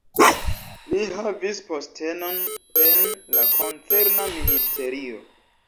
Li havis postenon en la koncerna ministerio.